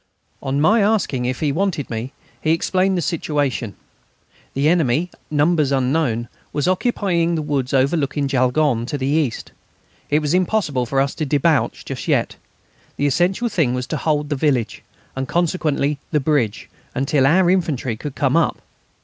On my asking him if he wanted me, he explained the situation: the enemy, numbers unknown, was occupying the woods overlooking Jaulgonne to the east. It was impossible for us to debouch just yet. The essential thing was to hold the village, and consequently the bridge, until our infantry could come up.